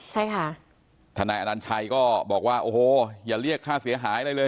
ใช่ค่ะทนายอนัญชัยก็บอกว่าโอ้โหอย่าเรียกค่าเสียหายอะไรเลย